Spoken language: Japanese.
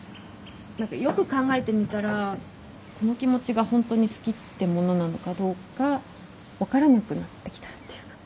何かよく考えてみたらこの気持ちがホントに好きってものなのかどうか分からなくなってきたっていうか。